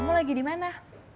kamu lagi dimana